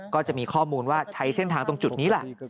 ก็จะมีข้อมูลว่าใช้เส้นทางตรงจุดนี้แหละ